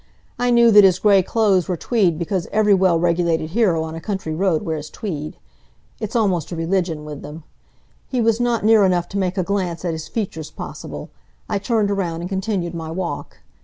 I knew that his gray clothes were tweed because every well regulated hero on a country road wears tweed. It's almost a religion with them. He was not near enough to make a glance at his features possible. I turned around and continued my walk.